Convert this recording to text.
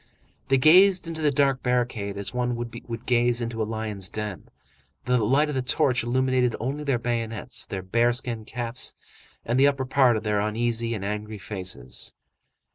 They gazed into the dark barricade as one would gaze into a lion's den. The light of the torch illuminated only their bayonets, their bear skin caps, and the upper part of their uneasy and angry faces.